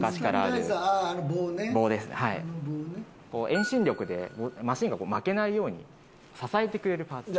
遠心力でマシンが負けないように支えてくれるパーツ。